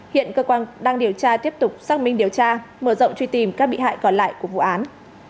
hiện cơ quan đang điều tra tiếp tục xác minh điều tra mở rộng truy tìm các bị hại còn lại của vụ án